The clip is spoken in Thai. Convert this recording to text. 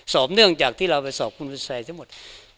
สอบเนื่องจากที่เราไปสอบคุณภาษาศาสตร์ทั้งหมด